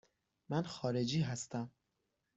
من خارجی هستم.